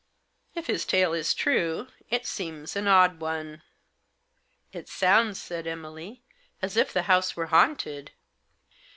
If his tale is true, it seems an odd one." 52 THE JOSS. " It sounds," said Emily, " as if the house were haunted."